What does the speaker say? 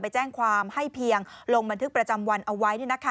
แจ้งความให้เพียงลงบันทึกประจำวันเอาไว้